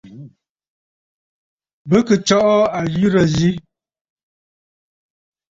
Bɨ kɨ̀ tsɔʼɔ àzɨrə̀ yi.